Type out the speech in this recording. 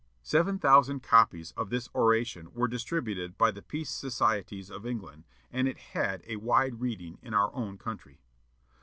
'" Seven thousand copies of this oration were distributed by the Peace Societies of England, and it had a wide reading in our own country.